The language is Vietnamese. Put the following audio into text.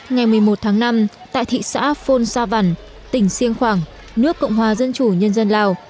ngày một mươi một tháng năm tại thị xã phôn sa văn tỉnh siêng khoảng nước cộng hòa dân chủ nhân dân lào